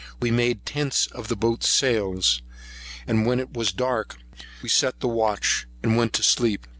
We made tents of the boats' sails; and when it was dark, we set the watch, and went to sleep.